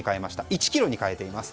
１ｋｇに変えています。